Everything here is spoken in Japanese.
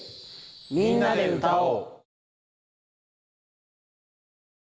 「みんなで歌おう」。